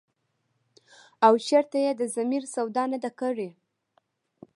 او چرته ئې د ضمير سودا نه ده کړې ۔”